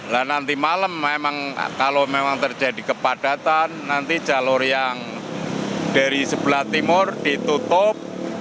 nah nanti malam memang kalau memang terjadi kepadatan nanti jalur yang dari sebelah timur ditutup